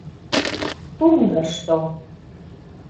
ТУНДРЫШТО